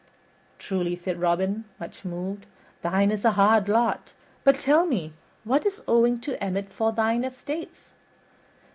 "Truly," said Robin, much moved, "thine is a hard lot. But tell me, what is owing to Emmet for thine estates?"